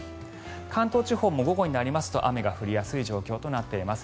関東地方も午後になりますと雨が降りやすい状況となっています。